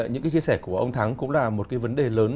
những cái chia sẻ của ông thắng cũng là một cái vấn đề lớn